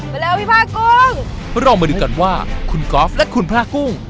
ไปแล้วพี่ผ้ากุ้งเรามาดูกันว่าคุณก๊อฟและคุณพระกุ้ง